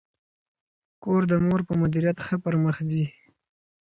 کور د مور په مدیریت ښه پرمخ ځي.